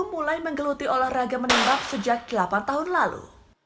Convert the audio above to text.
mulai menggeluti olahraga menembak sejak delapan tahun lalu